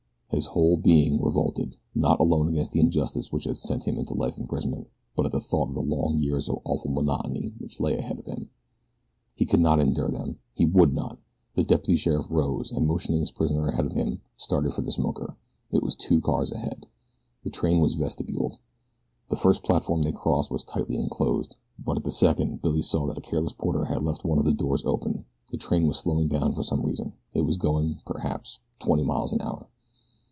His whole being revolted, not alone against the injustice which had sent him into life imprisonment, but at the thought of the long years of awful monotony which lay ahead of him. He could not endure them. He would not! The deputy sheriff rose, and motioning his prisoner ahead of him, started for the smoker. It was two cars ahead. The train was vestibuled. The first platform they crossed was tightly enclosed; but at the second Billy saw that a careless porter had left one of the doors open. The train was slowing down for some reason it was going, perhaps, twenty miles an hour.